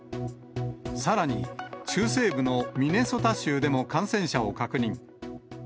さらに、中西部のミネソタ州でも感染者を確認。